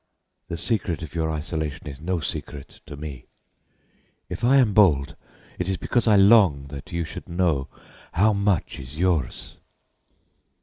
The secret of your isolation is no secret to me! If I am bold, it is because I long that you should know how much is yours.